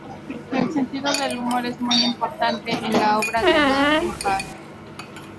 El sentido del humor es muy importante en la obra de Martin Parr.